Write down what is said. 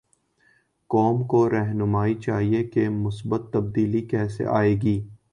قوم کوراہنمائی چاہیے کہ مثبت تبدیلی کیسے آئے گی؟